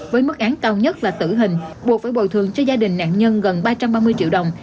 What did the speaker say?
với mức án cao nhất là tử hình buộc phải bồi thường cho gia đình nạn nhân gần ba trăm ba mươi triệu đồng